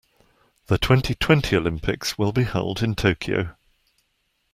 The twenty-twenty Olympics will be held in Tokyo.